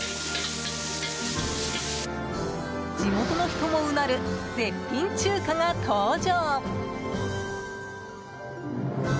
地元の人もうなる絶品中華が登場！